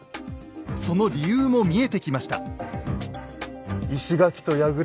その理由も見えてきました。